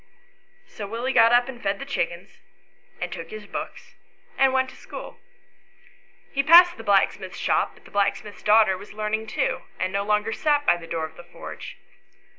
So Willie got up and fed the chickens, and took his books and went to school. . He passed the blacksmith's shop, but the blacksmith's daughter was learning too, and no longer sat by the door of the forge.